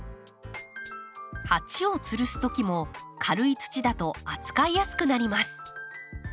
鉢をつるすときも軽い土だと扱いやすくなります。